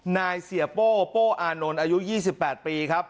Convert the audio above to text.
นายเสียโป้โป้อานนท์อายุยี่สิบแปดปีครับ